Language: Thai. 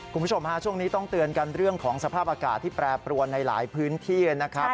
คุณผู้ชมฮะช่วงนี้ต้องเตือนกันเรื่องของสภาพอากาศที่แปรปรวนในหลายพื้นที่นะครับ